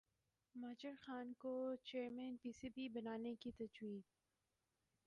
ماجد خان کو chairman P C B بنانے کی تجویز